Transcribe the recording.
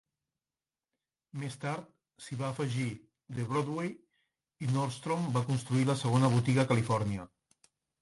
Més tard, s'hi va afegir The Broadway i Nordstrom va construir la segona botiga a Califòrnia.